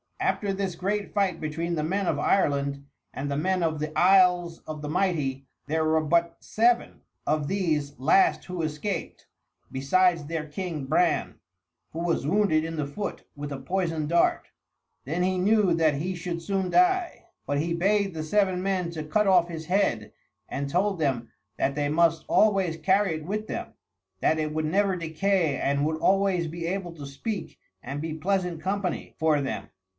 After this great fight between the men of Ireland and the men of the Isles of the Mighty there were but seven of these last who escaped, besides their king Bran, who was wounded in the foot with a poisoned dart. Then he knew that he should soon die, but he bade the seven men to cut off his head and told them that they must always carry it with them that it would never decay and would always be able to speak and be pleasant company for them.